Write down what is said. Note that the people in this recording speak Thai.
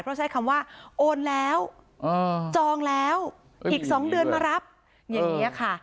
เพราะใช้คำว่าโอนแล้วจองแล้วอีก๒เดือนมารับอย่างนี้ค่ะ